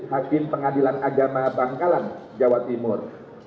hakim pengadilan agama bangkalan jawa timur